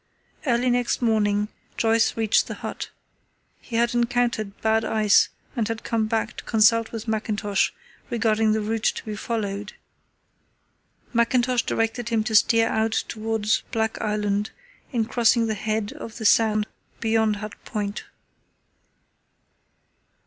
Early next morning Joyce reached the hut. He had encountered bad ice and had come back to consult with Mackintosh regarding the route to be followed. Mackintosh directed him to steer out towards Black Island in crossing the head of the Sound beyond Hut Point.